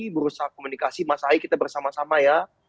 berusaha komunikasi mas ahayi kita bersama sama ya